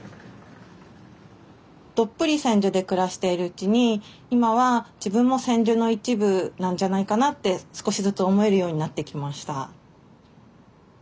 どっぷり千住で暮らしているうちに今は自分も千住の一部なんじゃないかなって少しずつ思えるようになってきました。